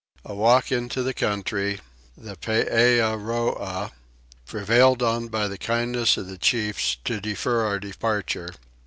A Walk into the Country. The Peeah Roah. Prevailed on by the Kindness of the Chiefs to defer our Departure.